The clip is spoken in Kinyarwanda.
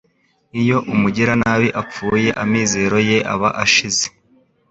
Iyo umugiranabi apfuye amizero ye aba ashize